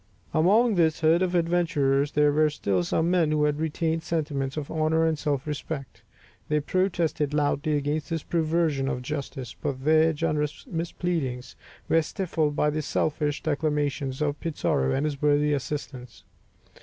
Among this herd of adventurers there were still some men who had retained sentiments of honour and self respect. They protested loudly against this perversion of justice, but their generous pleadings were stifled by the selfish declamations of Pizarro and his worthy assistants.